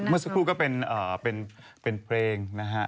เมื่อสักครู่ก็เป็นเพลงนะฮะ